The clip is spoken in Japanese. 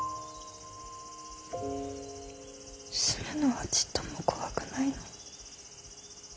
死ぬのはちっとも怖くないの。